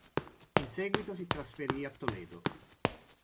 In seguito si trasferì a Toledo.